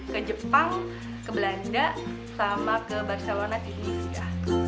ke jepang ke belanda sama ke barcelona di indonesia